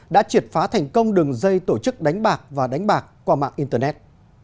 đã triệt phá thành công đường dây tổ chức đánh bạc và đánh bạc qua mạng internet